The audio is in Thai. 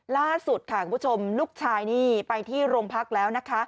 ล่าสุดค่ะคุณผู้ชมลูกชายนี่ไปที่โรงพักแล้วนะคะ